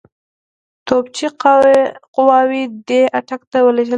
توپچي قواوې دي اټک ته ولېږل شي.